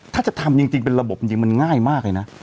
ถ้าจะทำจริงเป็นระบบจริงมันง่ายมากเลยนะ